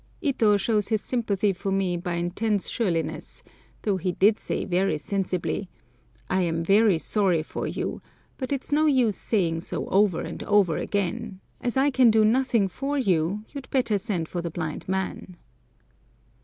Ito shows his sympathy for me by intense surliness, though he did say very sensibly, "I'm very sorry for you, but it's no use saying so over and over again; as I can do nothing for you, you'd better send for the blind man!"